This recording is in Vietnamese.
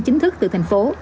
chính thức từ thành phố